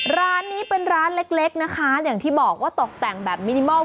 ร้านนี้เป็นร้านเล็กเล็กนะคะอย่างที่บอกว่าตกแต่งแบบมินิมอล